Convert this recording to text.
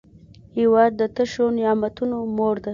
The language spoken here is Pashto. هېواد د شتو نعمتونو مور ده.